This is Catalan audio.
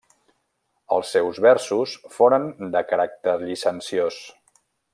Els seus versos foren de caràcter llicenciós.